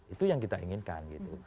itu yang kita inginkan gitu